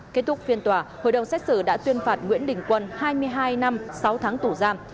kết thúc phiên tòa hội đồng xét xử đã tuyên phạt nguyễn đình quân hai mươi hai năm sáu tháng tù giam